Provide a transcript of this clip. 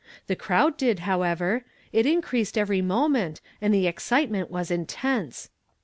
The crowd did, however; it increased every moment, and the excitement was intense.